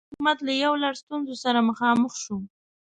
دغه حکومت له یو لړ ستونزو سره مخامخ شو.